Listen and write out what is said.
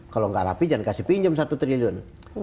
kalau gak rapi jangan kasih pinjem satu triliun